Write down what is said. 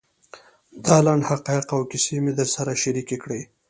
دا لنډ حقایق او کیسې مې در سره شریکې کړې.